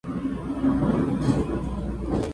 El parque protege una gran variedad de vegetación.